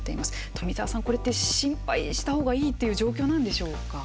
富澤さん、これって心配したほうがいいっていう状況なんでしょうか。